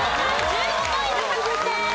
１５ポイント獲得です。